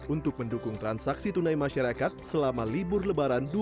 untuk mendukung transaksi tunai masyarakat selama libur lebaran dua ribu dua puluh